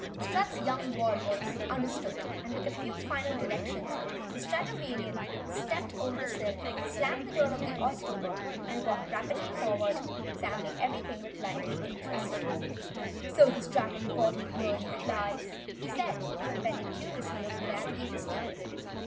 Strut's young warriors raised their flying staffs to show that they understood, and with a few final directions, the Stratovanian stepped over the sill, slammed the door of the Oztober and walked rapidly forward, examining everything with lively interest. "So this dragon body really flys?" he said, bending curiously over the navigator's table.